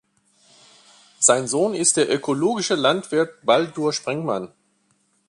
Sein Sohn ist der ökologische Landwirt Baldur Springmann.